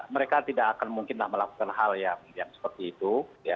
mereka tidak akan mungkinlah melakukan hal yang seperti itu